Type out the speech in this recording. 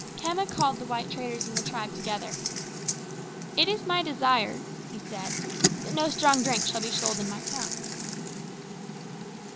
Khama called the white traders in the tribe together. "It is my desire," he said, "that no strong drink shall be sold in my town."